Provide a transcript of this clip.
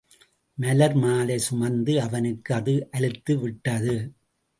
மலர்மாலை சுமந்து அவனுக்கு அது அலுத்து விட்டது.